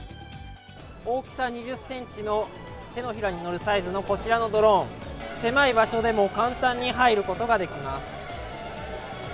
大きさ２０ｃｍの手のひらに乗るサイズのこちらのドローン、狭い場所でも簡単に入ることができます。